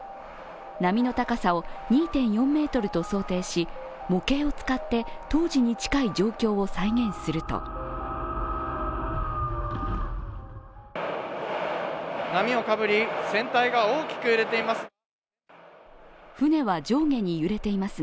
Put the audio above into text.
波の高さを２．４ｍと想定し、模型を使って当時に近い状況を再現すると波をかぶり船体が大きく揺れています。